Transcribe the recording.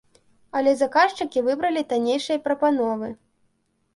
Але заказчыкі выбралі таннейшыя прапановы.